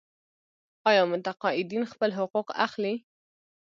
آیا متقاعدین خپل حقوق اخلي؟